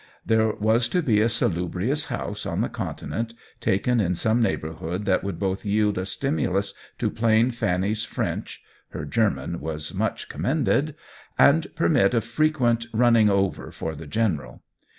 There was to be a salubrious house on the Continent, taken in some neighborhood that would both yield a stimulus to plain Fanny's French (her German was much commended), and permit of frequent "running over" for the General.